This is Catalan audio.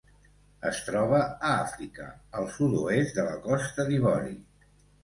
Es troba a Àfrica: el sud-oest de la Costa d'Ivori.